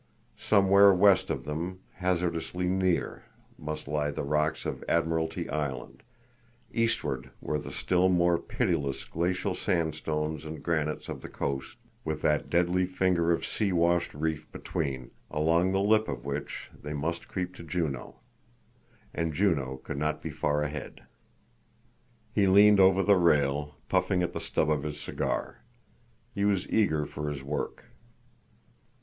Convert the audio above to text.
Somewhere west of them, hazardously near, must lie the rocks of Admiralty Island; eastward were the still more pitiless glacial sandstones and granites of the coast, with that deadly finger of sea washed reef between, along the lip of which they must creep to Juneau. And Juneau could not be far ahead. He leaned over the rail, puffing at the stub of his cigar. He was eager for his work.